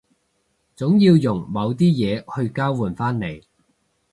總要用某啲嘢去交換返嚟